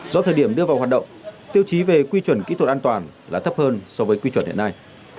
do thời điểm đưa vào hoạt động tiêu chí về quy chuẩn kỹ thuật an toàn là thấp hơn so với quy chuẩn hiện nay